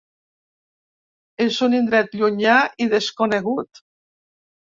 En un indret llunyà i desconegut.